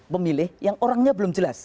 pemilih yang orangnya belum jelas